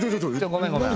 ごめんごめん。